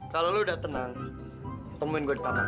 kalo lo udah tenang temuin gue di kamar